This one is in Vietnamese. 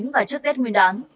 và trước tết nguyên đán